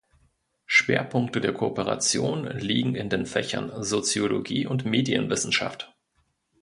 Schwerpunkte der Kooperation liegen in den Fächern Soziologie und Medienwissenschaft.